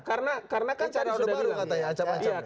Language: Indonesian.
karena kan tadi sudah bilang